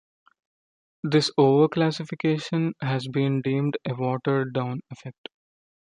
This over-classification has been deemed a "watered down effect".